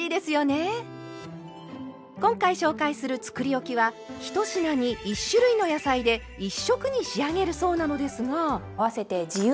今回紹介するつくりおきは１品に１種類の野菜で１色に仕上げるそうなのですが。